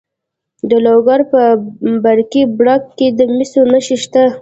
د لوګر په برکي برک کې د مسو نښې شته.